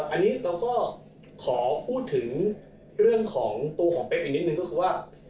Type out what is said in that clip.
อันนี้เราก็ขอพูดถึงเรื่องของตัวของเป๊กอีกนิดนึงก็คือว่า